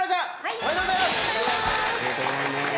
ありがとうございます。